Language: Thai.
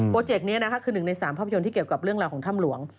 เจกต์นี้นะคะคือ๑ใน๓ภาพยนตร์ที่เกี่ยวกับเรื่องราวของถ้ำหลวง